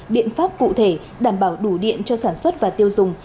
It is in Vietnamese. biện pháp cụ thể đảm bảo đủ điện cho sản xuất và tiêu dùng